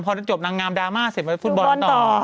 พอจบนางงามดราม่าเสร็จไปฟุตบอลต่อ